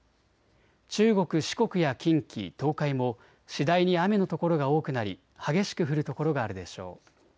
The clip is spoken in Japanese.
中国、四国や近畿、東海も次第に雨の所が多くなり激しく降る所があるでしょう。